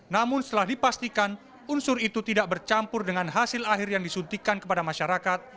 namun setelah dipastikan unsur itu tidak bercampur dengan hasil akhir yang disuntikan kepada masyarakat